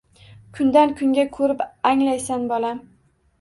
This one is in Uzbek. Kundan-kunga ko’rib anglaysan bolam!